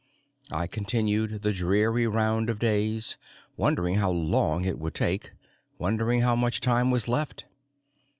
I continued the dreary round of days, wondering how long it would take, wondering how much time was left.